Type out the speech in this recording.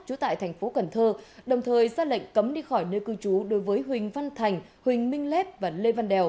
trú tại thành phố cần thơ đồng thời ra lệnh cấm đi khỏi nơi cư trú đối với huỳnh văn thành huỳnh minh lép và lê văn đèo